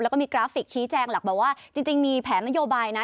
แล้วก็มีกราฟิกชี้แจงหลักบอกว่าจริงมีแผนนโยบายนะ